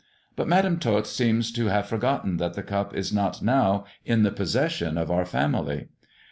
But Madam Tot seems to have forgotten that the cup is not now in the possession of our family.